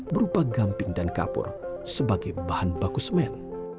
berupa gamping dan kapur sebagai bahan baku semen